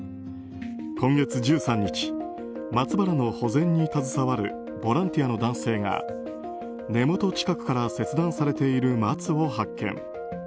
今月１３日、松原の保全に携わるボランティアの男性が根元近くから切断されている松を発見。